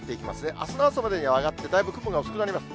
あすの朝までには上がって、だいぶ雲が薄くなります。